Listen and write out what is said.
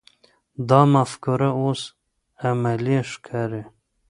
دا مفکوره اوس عملي ښکاري.